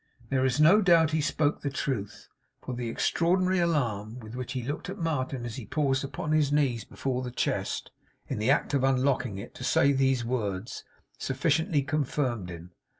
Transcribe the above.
There is no doubt he spoke the truth, for the extraordinary alarm with which he looked at Martin as he paused upon his knees before the chest, in the act of unlocking it, to say these words, sufficiently confirmed him.